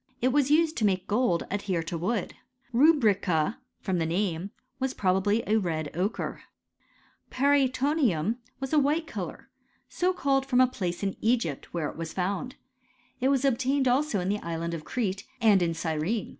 It was used t^ make gold adhere to wood. \' Rubrica from the name, was probably a red ochres JParatonivm was a white colour, so called frcMn a CHEXISTItT OF THE AKCISirrS. 79 pktee'in l^ypt^ where it was founds It was obtained also in the island of Crete, and in Cyrene.